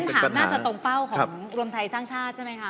ถามน่าจะตรงเป้าของรวมไทยสร้างชาติใช่ไหมคะ